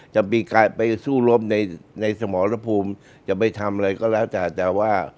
จะมีการไปสู้รบในสมรภูมิจะไปทำอะไรก็แล้วแต่แต่ว่า